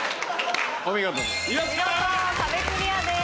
お見事です。